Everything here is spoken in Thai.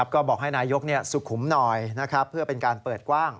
ก็บอกให้นายกสุขุมหน่อยเพื่อเป็นการเปิดกว้าง